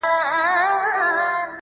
نور دي دسترگو په كتاب كي,